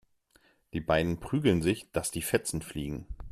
Die beiden prügeln sich, dass die Fetzen fliegen.